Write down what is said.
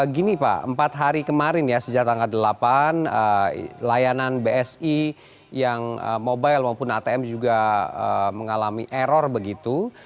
gini pak empat hari kemarin ya sejak tanggal delapan layanan bsi yang mobile maupun atm juga mengalami error begitu